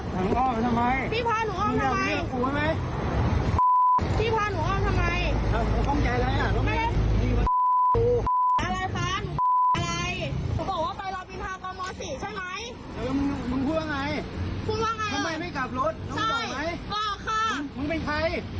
ทำไมต้องให้เกียรติมึงอ่ะหนูเป็นลูกค้าพี่ไงคะ